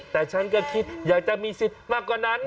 แต่ฉันก็คิดอยากจะมีสิทธิ์มากกว่านั้น